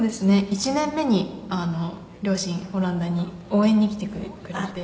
１年目に両親オランダに応援に来てくれて。